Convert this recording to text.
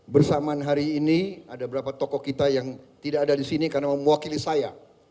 bersamaan hari ini ada beberapa tokoh kita yang tidak ada di sini karena mewakili saya